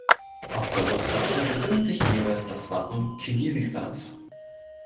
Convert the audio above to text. Auf der Rückseite befindet sich jeweils das Wappen Kirgisistans.